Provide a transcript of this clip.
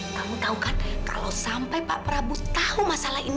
kamu tahu kan kalau sampai pak prabowo tahu masalah ini